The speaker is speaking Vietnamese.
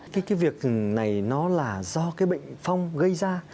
cái việc này nó là do cái bệnh phong gây ra